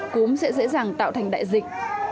cúm sẽ dễ dàng tạo thành đại dịch